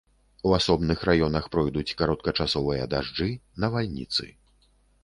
У асобных раёнах пройдуць кароткачасовыя дажджы, навальніцы.